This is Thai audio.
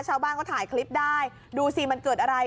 ชาวบ้านเขาถ่ายคลิปได้ดูสิมันเกิดอะไร